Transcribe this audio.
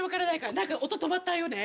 何か音止まったよね。